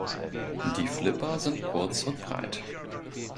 Die Flipper sind kurz und breit.